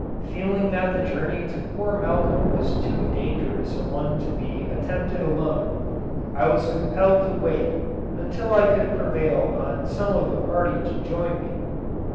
Feeling that the journey to poor Malcolm was too dangerous a one to be attempted alone, I was compelled to wait until I could prevail on some of the party to join me.